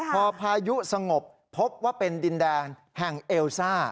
พอพายุสงบพบว่าเป็นดินแดนแห่งเอลซ่า